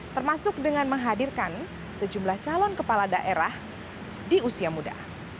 termasuk dengan menghadirkan sejumlah calon kepala daerah di usia muda